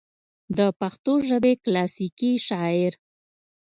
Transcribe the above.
دَپښتو ژبې کلاسيکي شاعر